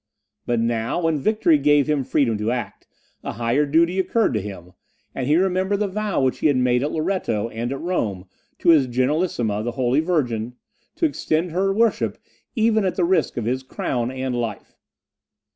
But now, when victory gave him freedom to act, a higher duty occurred to him, and he remembered the vow which he had made at Loretto and at Rome, to his generalissima, the Holy Virgin, to extend her worship even at the risk of his crown and life.